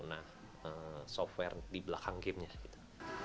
nah software di belakang gamenya gitu